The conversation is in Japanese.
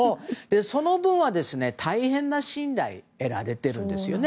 その分は大変な信頼を得られているんですね。